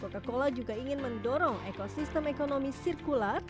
kami juga ingin mendorong ekosistem ekonomi sirkular